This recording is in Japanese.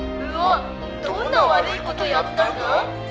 どんな悪い事やったんだ？」